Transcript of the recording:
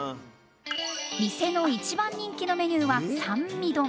店の１番人気のメニューは三味丼。